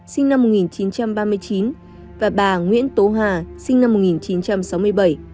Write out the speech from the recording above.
sinh năm một nghìn chín trăm ba mươi chín và bà nguyễn tố hà sinh năm một nghìn chín trăm sáu mươi bảy